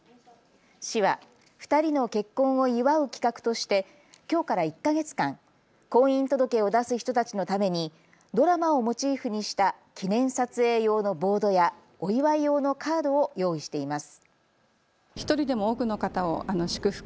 市は２人の結婚を祝う企画としてきょうから１か月間、婚姻届を出す人たちのためにドラマをモチーフにした記念撮影用のボードやお祝い用のカードを用意しています。